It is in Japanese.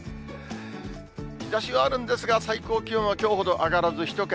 日ざしはあるんですが、最高気温はきょうほど上がらず、１桁。